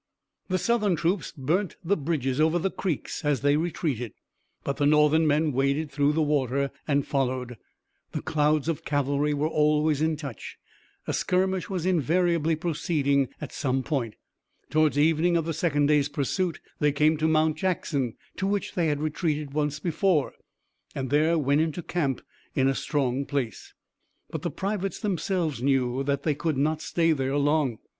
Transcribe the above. The Southern troops burnt the bridges over the creeks as they retreated, but the Northern men waded through the water and followed. The clouds of cavalry were always in touch. A skirmish was invariably proceeding at some point. Toward evening of the second day's pursuit, they came to Mount Jackson, to which they had retreated once before, and there went into camp in a strong place. But the privates themselves knew that they could not stay there long.